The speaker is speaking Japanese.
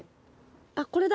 あっこれだ！